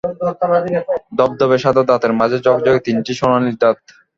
ধবধবে সাদা দাঁতের মাঝে ঝকঝকে তিনটি সোনালি দাঁত।